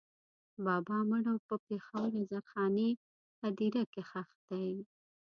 بابا مړ او په پېښور هزارخانۍ هدېره کې ښخ دی.